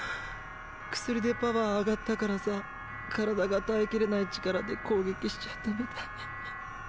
薬でパワー上がったからさ体が耐えきれない力で攻撃しちゃったみたい。